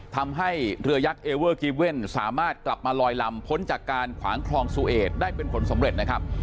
ทำให้เรือยักษ์เอเวอร์กิเว่นสามารถกลับมาลอยลำพ้นจากการขวางคลองซูเอดได้เป็นผลสำเร็จนะครับ